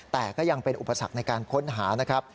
แต่ก็ยังเป็นอุปสรรคในการค้นหานะครับ